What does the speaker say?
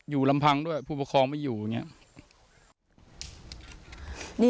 อยู่ลำพังด้วยผู้ประคองไม่อยู่อย่างนี้